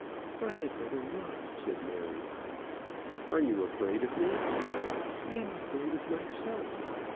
"I had better not," said Mary. "Are you afraid of me?" "I am afraid of myself.